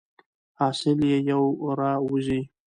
حاصل یې یو را وزي.